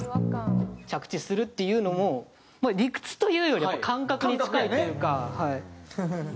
着地するっていうのも理屈というより感覚に近いというか。